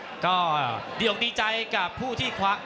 รอคะแนนจากอาจารย์สมาร์ทจันทร์คล้อยสักครู่หนึ่งนะครับ